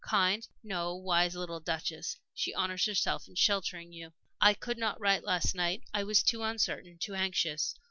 Kind no, wise little Duchess! She honors herself in sheltering you. "I could not write last night I was too uncertain, too anxious.